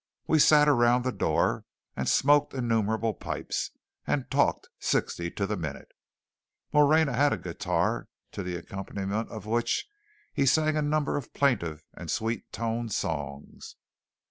We sat around the door, and smoked innumerable pipes, and talked sixty to the minute. Moreña had a guitar to the accompaniment of which he sang a number of plaintive and sweet toned songs.